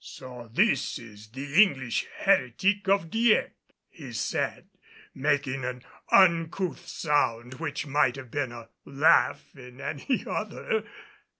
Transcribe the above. "So this is the English heretic of Dieppe," he said, making an uncouth sound which might have been a laugh in any other.